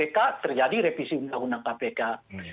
tidak ingin merevisi undang undang kpk terjadi revisi undang undang kpk